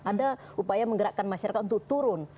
ada upaya menggerakkan masyarakat untuk turun